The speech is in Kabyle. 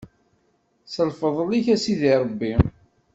S lfeḍl-ik a Sidi Ṛebbi.